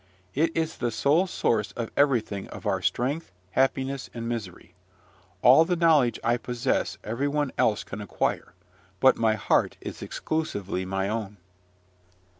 It is the sole source of everything of our strength, happiness, and misery. All the knowledge I possess every one else can acquire, but my heart is exclusively my own.